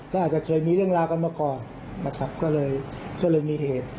ก็อาจจะเคยมีเรื่องราวกันมาก่อนนะครับก็เลยก็เลยมีเหตุ